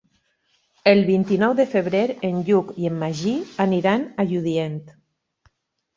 El vint-i-nou de febrer en Lluc i en Magí aniran a Lludient.